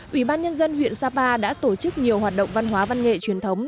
ủy ban nhân dân huyện sapa đã tổ chức nhiều hoạt động văn hóa văn nghệ truyền thống